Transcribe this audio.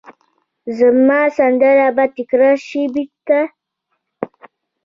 زما سندره به تکرار شي بیرته